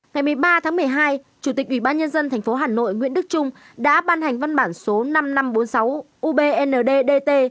ngày một mươi ba tháng một mươi hai chủ tịch ủy ban nhân dân tp hà nội nguyễn đức trung đã ban hành văn bản số năm nghìn năm trăm bốn mươi sáu ubndtt